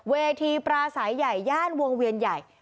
เวทีปราศัยใหญ่ย่านวงเวียนใหญ่